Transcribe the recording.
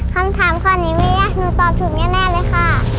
คำถามข้อนี้แม่หนูตอบถูกแน่เลยค่ะ